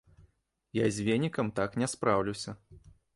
Я з венікам так не спраўлюся.